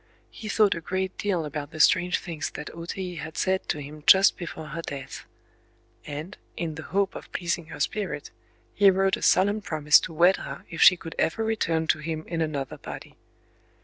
He thought a great deal about the strange things that O Tei had said to him just before her death; and, in the hope of pleasing her spirit, he wrote a solemn promise to wed her if she could ever return to him in another body.